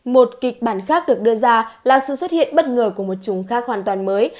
một kịch bản khác được đưa ra là sự xuất hiện bất ngờ của một chúng khác hoàn toàn mới